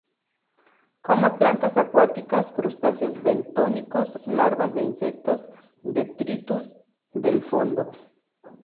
Come plantas acuáticas, crustáceos bentónicos, larvas de insectos, detritus del fondo.